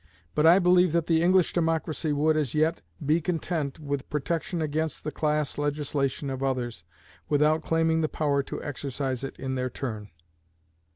But I believe that the English democracy would as yet be content with protection against the class legislation of others, without claiming the power to exercise it in their turn.